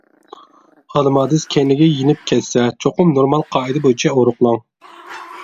ئالىمادىس كەينىگە يېنىپ كەتسە چوقۇم نورمال قائىدە بويىچە ئورۇقلاڭ.